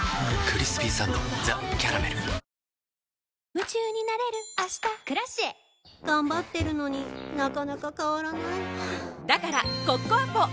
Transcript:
夢中になれる明日「Ｋｒａｃｉｅ」頑張ってるのになかなか変わらないはぁだからコッコアポ！